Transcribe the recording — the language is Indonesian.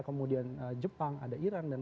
kemudian jepang ada iran dan